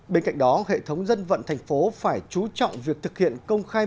bên cạnh đó hệ thống dân vận thành phố phải chú trọng việc thực hiện công khai